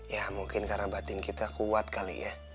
ya mungkin karena batin kita kuat kali ya